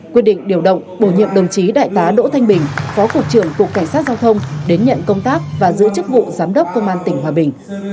quyết định điều động bổ nhiệm đồng chí đại tá đỗ thanh bình phó cục trưởng cục cảnh sát giao thông đến nhận công tác và giữ chức vụ giám đốc công an tỉnh hòa bình